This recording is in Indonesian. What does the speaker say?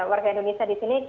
warga indonesia disini